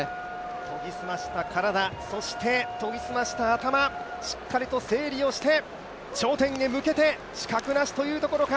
研ぎ澄ました体、そして研ぎ澄ました頭、しっかりと整理をして頂点へ向けて、死角なしというところか。